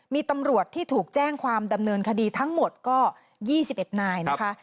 มีตำรวจที่ถูกแจ้งความดำเนินคดีทั้งหมดก็๒๑นายนะคะ